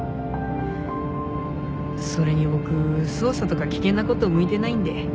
それに僕捜査とか危険なこと向いてないんで。